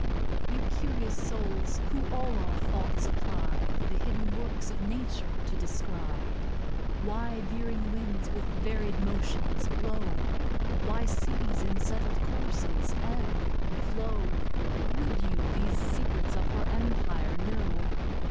You Curious Souls, who all our Thoughts apply, The hidden Works of Nature to descry; Why veering Winds with Vari'd Motion blow, Why Seas in settled Courses Ebb and Flow; Wou'd you these Secrets of her Empire know?